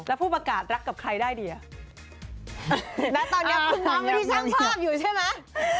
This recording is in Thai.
แล้วผู้ประกาศรักกับใครได้ดีอ่ะณตอนนี้คุณน้องไม่ได้ช่างภาพอยู่ใช่ไหม